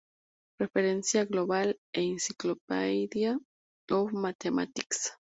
Referencia global en Encyclopaedia of Mathematics